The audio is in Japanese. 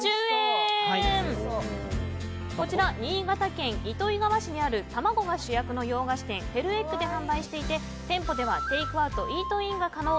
こちら、新潟県糸魚川市にある卵が主役の洋菓子店フェルエッグで販売していて店舗ではテイクアウト・イートインが可能。